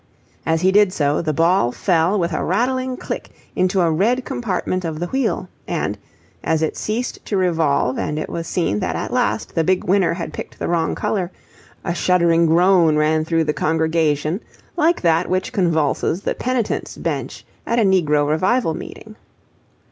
As he did so, the ball fell with a rattling click into a red compartment of the wheel; and, as it ceased to revolve and it was seen that at last the big winner had picked the wrong colour, a shuddering groan ran through the congregation like that which convulses the penitents' bench at a negro revival meeting.